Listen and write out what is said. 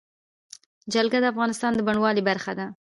جلګه د افغانستان د بڼوالۍ برخه ده.